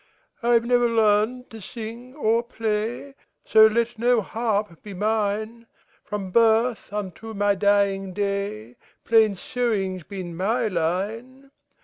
I 've never learned to sing or play, So let no harp be mine; From birth unto my dying day, Plain sewing 's been my line.